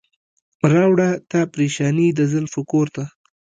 راوړه تا پریشاني د زلفو کور ته.